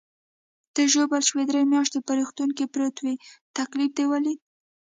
ته ژوبل شوې، درې میاشتې په روغتون کې پروت وې، تکلیف دې ولید.